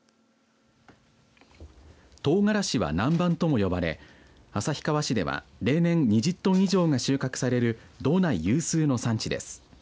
トウガラシはナンバンとも呼ばれ旭川市では例年２０トン以上が収穫される道内有数の産地です。